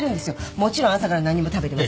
もちろん朝から何も食べてません。